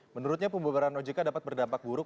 menurutnya pembubaran ojk dapat berdampak buruk